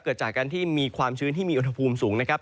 เกิดจากการที่มีความชื้นที่มีอุณหภูมิสูงนะครับ